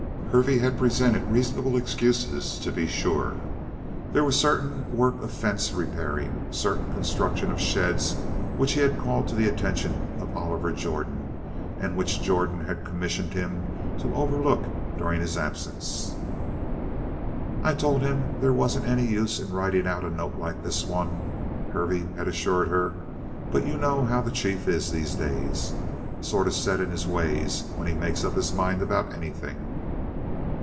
Hervey had presented reasonable excuses, to be sure. There was certain work of fence repairing, certain construction of sheds which he had called to the attention of Oliver Jordan and which Jordan had commissioned him to overlook during his absence. "I told him they wasn't any use in writing out a note like this one," Hervey had assured her, "but you know how the chief is, these days. Sort of set in his ways when he makes up his mind about anything."